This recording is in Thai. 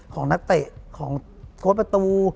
ของนักเตะของโค้ดประตู